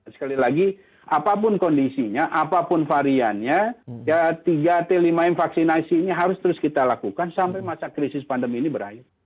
sekali lagi apapun kondisinya apapun variannya tiga t lima m vaksinasi ini harus terus kita lakukan sampai masa krisis pandemi ini berakhir